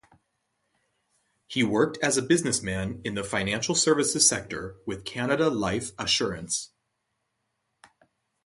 He worked as a businessman in the financial services sector with Canada Life Assurance.